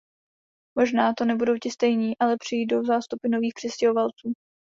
Možná to nebudou ti stejní, ale přijdou zástupy nových přistěhovalců.